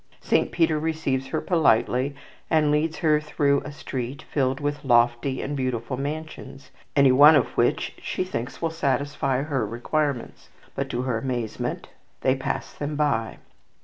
Saint Peter receives her politely, and leads her through a street filled with lofty and beautiful mansions, any one of which she thinks will satisfy her requirements; but, to her amazement, they pass them by.